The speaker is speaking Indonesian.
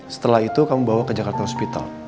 setelah itu kamu bawa ke jakarta hospital